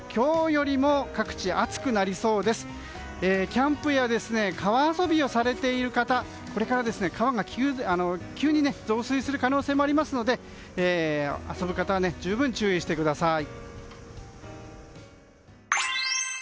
キャンプや川遊びをされている方はこれから川が急に増水する可能性もありますので遊ぶ方は十分注意してください。